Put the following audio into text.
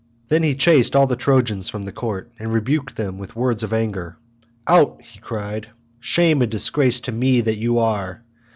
Then he chased all the Trojans from the court and rebuked them with words of anger. "Out," he cried, "shame and disgrace to me that you are.